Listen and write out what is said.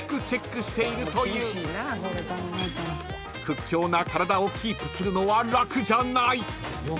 ［屈強な体をキープするのは楽じゃない］